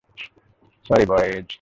Sorry, boys.